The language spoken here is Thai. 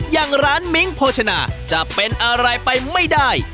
อย่างร้านมิ้งโภชนาจะเป็นอะไรไปไม่ได้